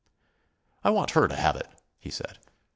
"I want her to have it," he said.